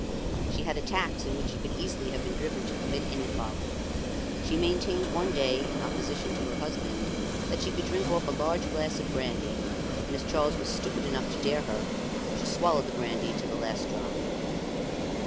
She had attacks in which she could easily have been driven to commit any folly. She maintained one day, in opposition to her husband, that she could drink off a large glass of brandy, and, as Charles was stupid enough to dare her to, she swallowed the brandy to the last drop.